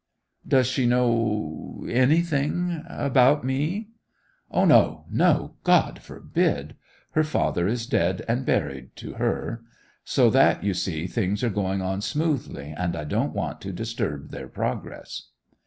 'Does she know—anything about me?' 'O no, no; God forbid! Her father is dead and buried to her. So that, you see, things are going on smoothly, and I don't want to disturb their progress.